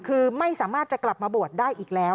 คือไม่สามารถจะกลับมาบวชได้อีกแล้ว